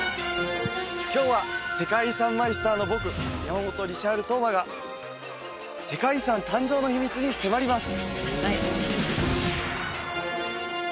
今日は世界遺産マイスターの僕山本・リシャール登眞が世界遺産の誕生の秘密に迫ります